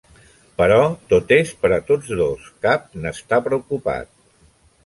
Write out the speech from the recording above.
"Però tot és per a tots dos; cap n'està preocupat."